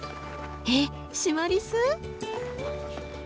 えっシマリス？